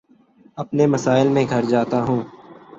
اپنے مسائل میں گھر جاتا ہوں